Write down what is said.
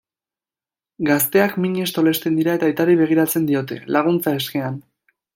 Gazteak minez tolesten dira eta aitari begiratzen diote, laguntza eskean.